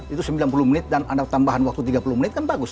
itu sembilan puluh menit dan ada tambahan waktu tiga puluh menit kan bagus